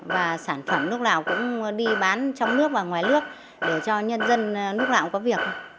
và sản phẩm lúc nào cũng đi bán trong nước và ngoài nước để cho nhân dân lúc nào cũng có việc